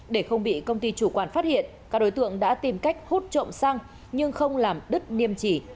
để không bị công ty chủ quản phát hiện các đối tượng đã tìm cách hút trộm xăng nhưng không làm đứt niêm chỉ